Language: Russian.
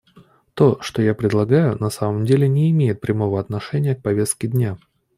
То, что я предлагаю, на самом деле не имеет прямого отношения к повестке дня.